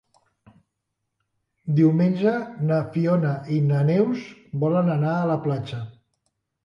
Diumenge na Fiona i na Neus volen anar a la platja.